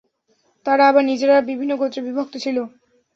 তারা আবার নিজেরা বিভিন্ন গোত্রে বিভক্ত ছিল।